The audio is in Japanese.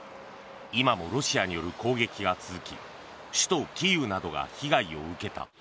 今もロシアによる攻撃が続き首都キーウなどが被害を受けた。